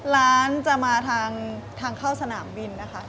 ร้านจะมาทางเข้าสนามบินนะคะ